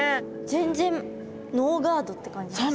全然ノーガードって感じですね。